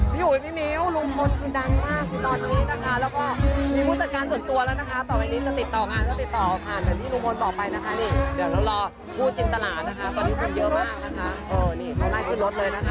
เดี๋ยวรอดูนะครับระหว่างลูกพลกับจินตราจะให้สัมภาษณ์ได้ไงรอดูด้วยค่ะ